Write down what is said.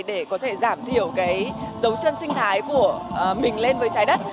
để có thể giảm thiểu cái dấu chân sinh thái của mình lên với trái đất